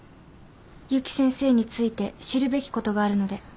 結城先生について知るべきことがあるので。